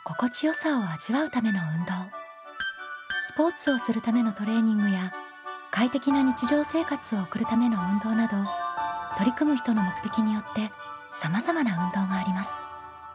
スポーツをするためのトレーニングや快適な日常生活を送るための運動など取り組む人の目的によってさまざまな運動があります。